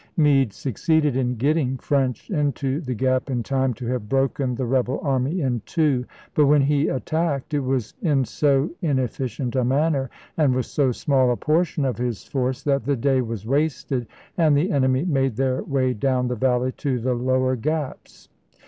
Meade succeeded in getting French into the Gap in time to have broken the rebel army T^umonV. in two ; but when he attacked, it was in so inef co^^mee ficient a manner, and with so small a portion o? tteVS of his force, that the day was wasted and the en Part i.', emy made their way down the valley to the lower Gaps.